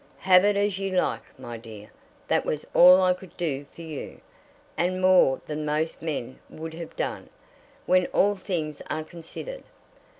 "Have it as you like, my dear. That was all I could do for you; and more than most men would have done, when all things are considered."